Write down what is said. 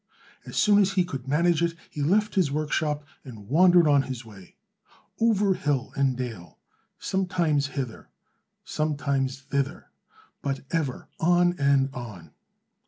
As soon as he could manage it, he left his workshop, and wandered on his way, over hill and dale, sometimes hither, sometimes thither, but ever on and on.